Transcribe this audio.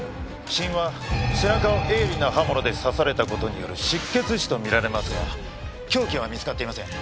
死因は背中を鋭利な刃物で刺された事による失血死とみられますが凶器は見つかっていません。